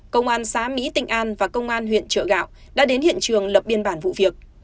công an xã mỹ tịnh an và công an huyện trợ gạo đã đến hiện trường lập biên bản vụ việc